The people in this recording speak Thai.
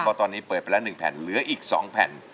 เพราะตอนนี้เปิดไปแล้ว๑แผ่นเหลืออีก๒แผ่น